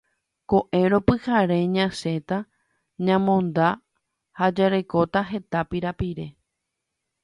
Ko'ẽrõ pyhare ñasẽta ñamonda ha jarekóta heta pirapire